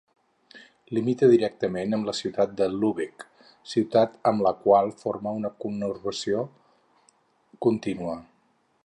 Limita directament amb la ciutat de Lübeck, ciutat amb la qual forma una conurbació continua.